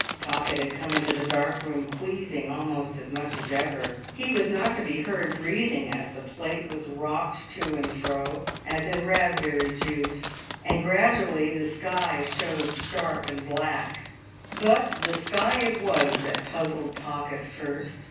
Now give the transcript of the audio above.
Pocket had come into the dark room wheezing almost as much as ever; he was not to be heard breathing as the plate was rocked to and fro as in raspberry juice, and gradually the sky showed sharp and black. But the sky it was that puzzled Pocket first.